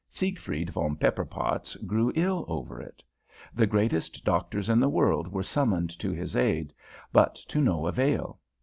Siegfried von Pepperpotz grew ill over it. The greatest doctors in the world were summoned to his aid, but to no avail.